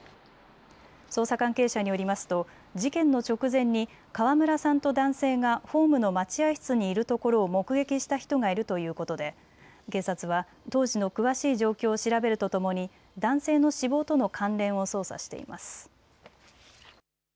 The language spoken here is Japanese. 捜査関係者によりますと事件の直前に川村さんと男性がホームの待合室にいるところを目撃した人がいるということで警察は当時の詳しい状況を調べるとともに男性の死亡との関連を捜査しています。